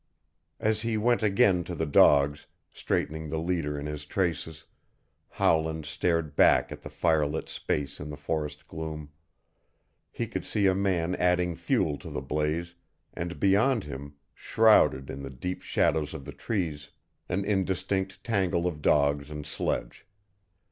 As he went again to the dogs, straightening the leader in his traces, Howland stared back at the firelit space in the forest gloom. He could see a man adding fuel to the blaze, and beyond him, shrouded in the deep shadows of the trees, an indistinct tangle of dogs and sledge.